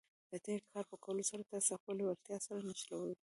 د دې کار په کولو سره تاسې خپله لېوالتیا سره نښلوئ.